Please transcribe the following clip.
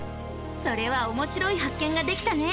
それはおもしろい発見ができたね！